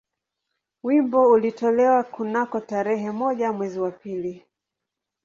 Wimbo ulitolewa kunako tarehe moja mwezi wa pili